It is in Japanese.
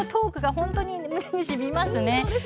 本当に身にしみますね。